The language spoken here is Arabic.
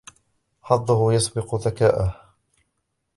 حظه يسبق ذكاءه.